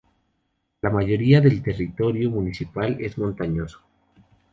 La mayoría del territorio municipal es montañoso.